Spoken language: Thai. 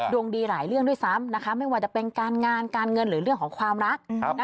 ดวงดีหลายเรื่องด้วยซ้ำนะคะไม่ว่าจะเป็นการงานการเงินหรือเรื่องของความรัก